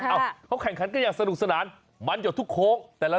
เพราะแข่งขันก็ยังสนุกสนานมันอยู่ทุกโค้ง